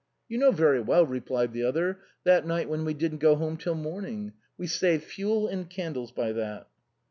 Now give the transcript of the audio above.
" You know very well," replied the other :" that night when we didn't go home till morning. We saved fuel and candles by that."